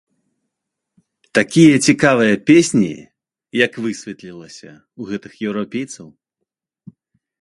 Такія цікавыя песні, як высветлілася, у гэтых еўрапейцаў.